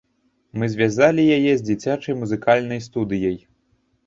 Мы звязалі яе з дзіцячай музыкальнай студыяй.